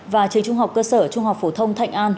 và trường trung học cơ sở trung học phổ thông thạnh an